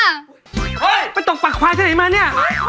เฮ้ยไปตกปักควายที่ไหนมาเนี่ย